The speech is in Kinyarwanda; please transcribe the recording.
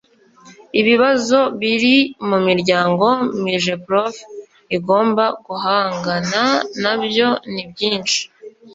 Ibibazo biri mu miryango Migeprof igomba guhangana nabyo ni byinshi